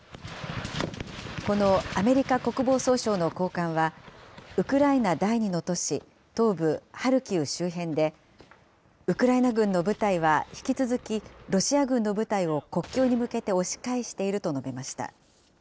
このアメリカ国防総省の高官は、ウクライナ第２の都市、東部ハルキウ周辺で、ウクライナ軍の部隊は引き続きロシア軍の部隊を国境に向けて押し返していると述べました。